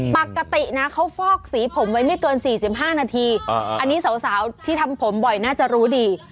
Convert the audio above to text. ปกตินะเขาฟอกสีผมไว้ไม่เกิน๔๕นาทีอันนี้สาวที่ทำผมบ่อยน่าจะรู้ดี